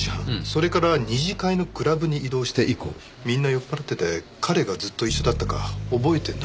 それから二次会のクラブに移動して以降みんな酔っ払ってて彼がずっと一緒だったか覚えてないんです。